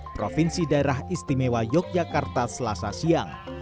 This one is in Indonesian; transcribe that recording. provinsi daerah istimewa yogyakarta selasa siang